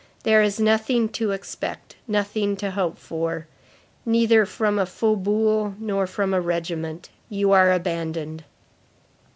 There is nothing to expect; nothing to hope for. Neither from a faubourg nor from a regiment. You are abandoned."